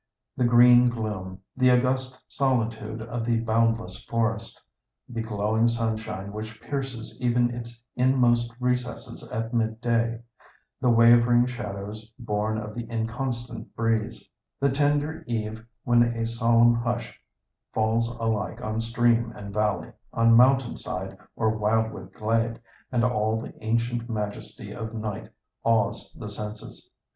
The green gloom, the august solitude of the boundless forest, the glowing sunshine which pierces even its inmost recesses at midday; the wavering shadows, born of the inconstant breeze; the tender eve when a solemn hush falls alike on stream and valley, on mountain side or wildwood glade, and all the ancient majesty of night awes the senses.